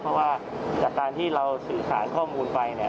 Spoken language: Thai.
เพราะว่าจากการที่เราสื่อสารข้อมูลไปเนี่ย